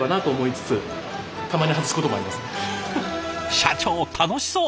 社長楽しそう！